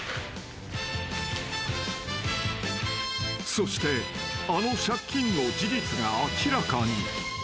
［そしてあの借金の事実が明らかに］